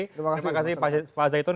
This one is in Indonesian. terima kasih pak zaitun